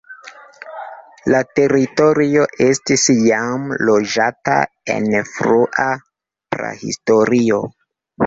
La teritorio estis jam loĝata en frua prahistorio.